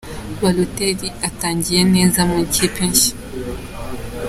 Balotelli atangiye neza mu ikipe nshya